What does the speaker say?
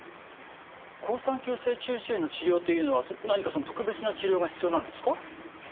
好酸球性中耳炎の治療というのは何か特別な治療が必要なんですか？